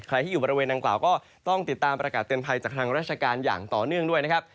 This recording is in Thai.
ใครที่อยู่บริเวณดังกล่าวก็ต้องติดตามประกาศเตือนภัยจากทางราชการอย่างต่อเนื่องด้วยนะครับ